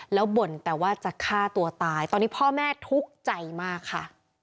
แล้วบ่นแต่ว่าจะฆ่าตัวตายตอนนี้พ่อแม่ทุกข์ใจมากค่ะ